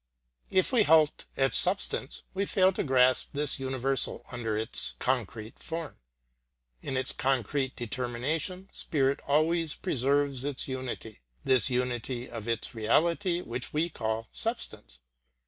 If we halt at substance, we fail to grasp this universal under its concrete form. In its concrete determination spirit always preserves its unity, this unity of its reality which we call substance.